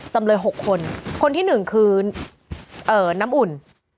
จำเลย๖คนคนที่๑คือน้ำอุ่น